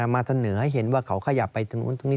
มาเสนอให้เห็นว่าเขาขยับไปตรงนู้นตรงนี้